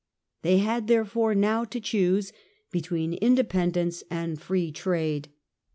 They had, therefore, now to choose between independence and free trade.